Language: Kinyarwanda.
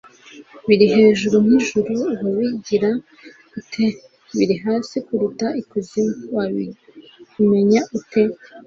"Biri hejuru nk'ijuru wabigira ute? Biri hasi kuruta ikuzimu wabimenya ute?""